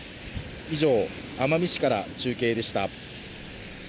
以上、奄美市から中継でした。